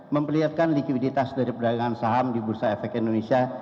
memperlihatkan likuiditas dari perdagangan saham di bursa efek indonesia